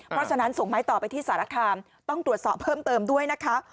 เพราะฉะนั้นส่งไม้ต่อไปที่สารคามต้องตรวจสอบเพิ่มเติมด้วยนะคะ